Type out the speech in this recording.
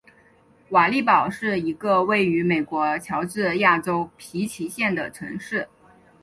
瓦利堡是一个位于美国乔治亚州皮奇县的城市。